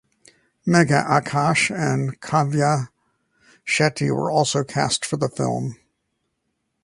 Megha Akash and Kavya Shetty were also cast for the film.